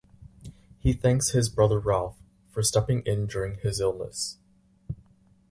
He thanks his brother Ralph for stepping in during his illness.